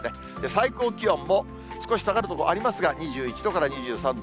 最高気温も少し下がる所ありますが、２１度から２３度。